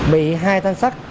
bị hai thanh sắt